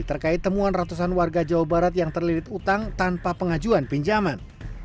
terkait temuan ratusan warga jawa barat yang terlirit utang tanpa pengajuan pinjaman